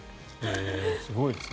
すごいですね。